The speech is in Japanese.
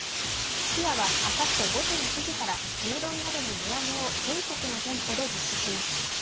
すき家はあさって午前９時から牛丼などの値上げを全国の店舗で実施します。